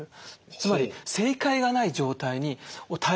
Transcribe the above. つまり正解がない状態に耐えうると。